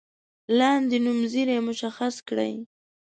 لاندې نومځري مشخص کړئ.